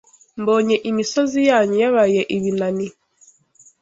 Mbonye imisozi yanyu Yabaye ibinani